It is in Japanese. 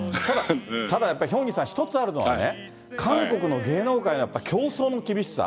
ただやっぱりヒョンギさん、１つあるのはね、韓国の芸能界のやっぱ競争の厳しさ。